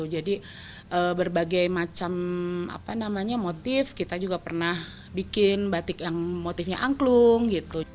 jadi berbagai macam motif kita juga pernah bikin batik yang motifnya angklung